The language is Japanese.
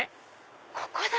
ここだ！